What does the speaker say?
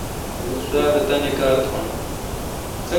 بہ سوا بہ تانی کار تھان